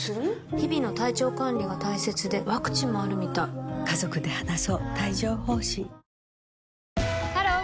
日々の体調管理が大切でワクチンもあるみたいハロー！